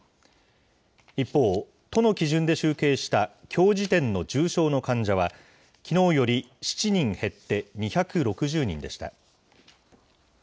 一方、都の基準で集計したきょう時点の重症の患者は、きのうより７人減って２６０人でした。